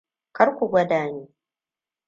Kar ku gwada ni.